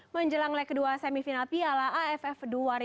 menjelang leg kedua semifinal piala aff dua ribu dua puluh